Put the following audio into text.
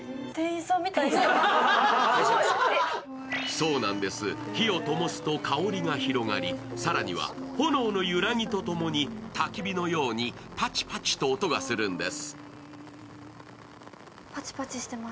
そうなんです、火をともすと香りが広がり、更には、炎の揺らぎとともにたき火のようにパチパチと音がするんです。